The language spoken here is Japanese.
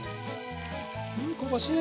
う香ばしい！